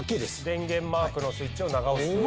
電源マークのスイッチを長押しする。